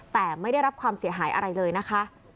แต่ไม่ได้รับความเสียหายอะไรเลยนะคะ